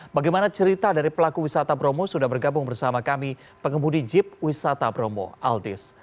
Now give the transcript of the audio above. bagaimana cerita dari pelaku wisata bromo sudah bergabung bersama kami pengemudi jeep wisata bromo aldis